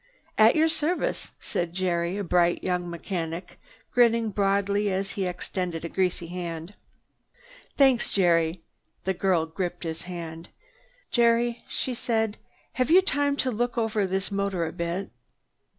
"At your service!" said Jerry, a bright young mechanic, grinning broadly as he extended a greasy hand. "Thanks, Jerry." The girl gripped his hand. "Jerry," she said, "have you time to look over this motor a bit?"